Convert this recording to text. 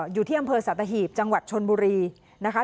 อยู่ที่อำเภอสัตหีบจังหวัดชนบุรีนะคะ